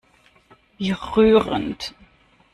Wie rührend!